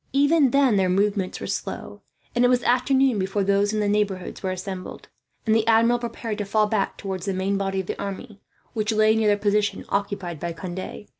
Even then their movements were slow, and it was afternoon before those in the neighbourhood were assembled, and the Admiral prepared to fall back towards the main body of the army, which lay near the position occupied by Conde.